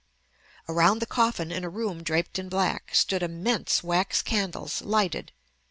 Around the coffin, in a room draped in black, stood immense wax candles, lighted.